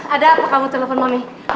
ada apa kamu telepon mami